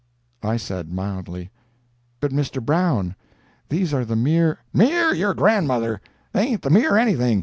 I said, mildly: "But, Mr. Brown, these are the mere—" "Mere—your grandmother! they ain't the mere anything!